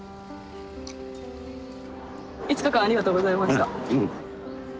５日間ありがとうございました。